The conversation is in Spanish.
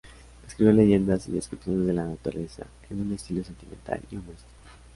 Escribió leyendas y descripciones de la naturaleza en un estilo sentimental y humorístico.